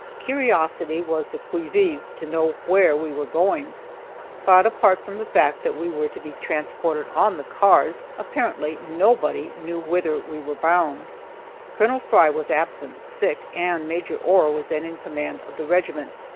Curiosity was on the qui vive to know where we were going, but apart from the fact that we were to be transported on the cars, apparently nobody knew whither we were bound. Col. Fry was absent, sick, and Major Ohr was then in command of the regiment.